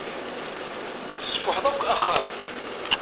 Tesfuḥeḍ akk axxam.